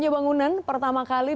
bangunan empat lantai roboh